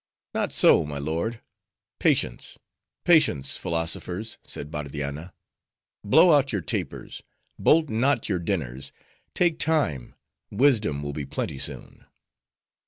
"Not so, my lord.—'Patience, patience, philosophers,' said Bardianna; 'blow out your tapers, bolt not your dinners, take time, wisdom will be plenty soon.